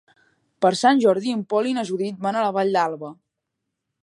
Per Sant Jordi en Pol i na Judit van a la Vall d'Alba.